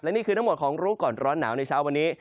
นี่คือทั้งหมดของรู้ก่อนร้อนหนาวในเช้าวันนี้